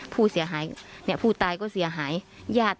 ผู้เสียหายผู้ตายก็เสียหาย